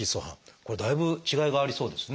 これだいぶ違いがありそうですね。